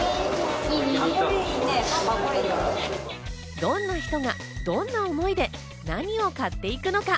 どんな人が、どんな思いで何を買っていくのか？